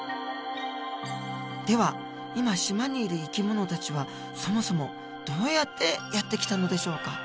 では今島にいる生き物たちはそもそもどうやってやって来たのでしょうか？